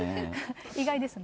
意外ですね。